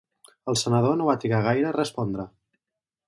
El senador no va trigar gaire a respondre.